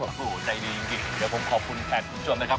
เดี๋ยวผมขอบคุณแผนคุณผู้ชมนะครับ